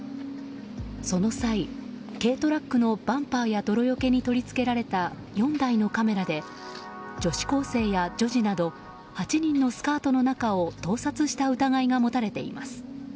その際、軽トラックのバンパーや泥よけに取り付けられた４台のカメラで女子高生や女児など８人のスカートの中を盗撮した疑いが持たれています。